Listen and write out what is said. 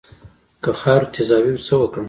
که خاوره تیزابي وي څه وکړم؟